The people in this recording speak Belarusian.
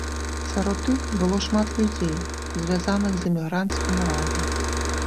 Сярод іх было шмат людзей, звязаных з эмігранцкім урадам.